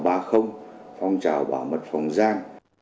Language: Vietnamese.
phong trào bảo mật phòng giang